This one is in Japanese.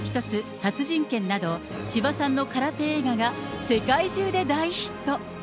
殺人拳など、千葉さんの空手映画が世界中で大ヒット。